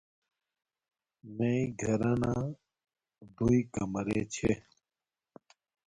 میے گھرانا دوݵ کمرے چھے